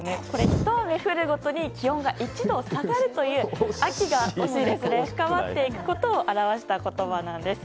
ひと雨降るごとに気温が１度下がるという秋が深まっていくことを表した言葉なんです。